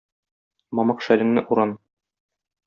Мамык шәлеңне уран.